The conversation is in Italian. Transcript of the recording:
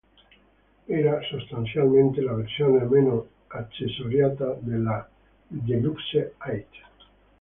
Era sostanzialmente la versione meno accessoriata della DeLuxe Eight.